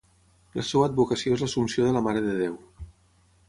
La seva advocació és l'Assumpció de la Mare de Déu.